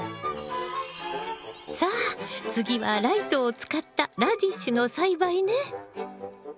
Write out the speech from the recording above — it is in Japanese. さあ次はライトを使ったラディッシュの栽培ね。